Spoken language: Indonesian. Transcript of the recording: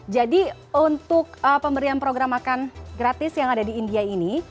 jadi untuk pemberian program makan gratis yang ada di india ini